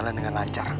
kamu udah lihat